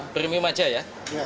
premium aja ya